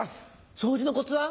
掃除のコツは？